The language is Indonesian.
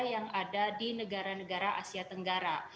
yang ada di negara negara asia tenggara